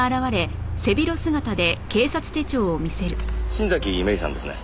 新崎芽依さんですね？